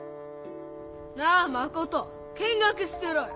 なあマコト見学してろよ。